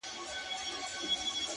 د فرانسې د هوايي ډګر